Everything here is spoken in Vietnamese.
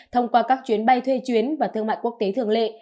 thông qua các chuyến bay thuê chuyến và thương mại quốc tế thường lệ